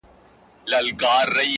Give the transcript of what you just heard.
نسته له میرو سره کیسې د سوي میني٫